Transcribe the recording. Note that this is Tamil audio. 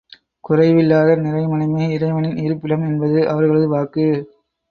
குறைவில்லாத நிறை மனமே, இறைவனின் இருப்பிடம் என்பது அவர்களது வாக்கு.